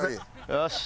よし！